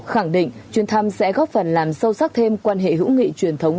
khẳng định chuyên thăm sẽ góp phần làm sâu sắc thêm quan hệ hữu nghị truyền thống